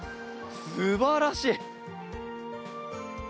すばらしい！